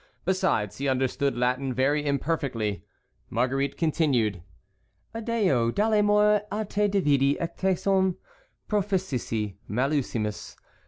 Besides, he understood Latin very imperfectly. Marguerite continued: "Adeo dolemur a te dividi ut tecum proficisci maluissemus.